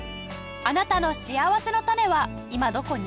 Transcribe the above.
あなたのしあわせのたねは今どこに？